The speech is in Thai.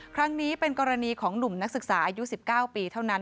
ครั้งนี้เป็นกรณีของหนุ่มนักศึกษาอายุ๑๙ปีเท่านั้น